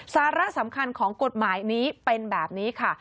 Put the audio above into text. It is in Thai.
สาระสำคัญของกฎหมายนี้เป็นแบบนี้ค่ะ